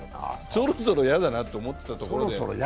そろそろ嫌だなと思っていたところで。